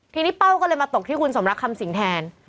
ทีนี้เป้าก็เลยมาตกที่คุณสมรักคำสิงแทน